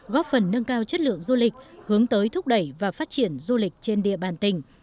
góp phần nâng cao chất lượng du lịch hướng tới thúc đẩy và phát triển du lịch trên địa bàn tỉnh